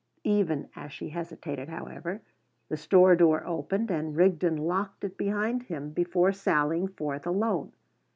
Even as she hesitated, however, the store door opened, and Rigden locked it behind him before sallying forth alone.